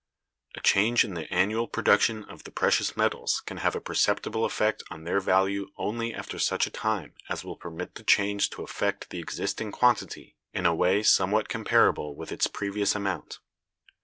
A change in the annual production of the precious metals can have a perceptible effect on their value only after such a time as will permit the change to affect the existing quantity in a way somewhat comparable with its previous amount.